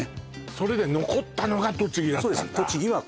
それで残ったのが栃木だったんだそうです